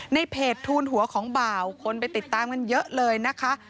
ในเพจทูลหัวของบ่าวคนไปติดตามกันเยอะเลยนะคะ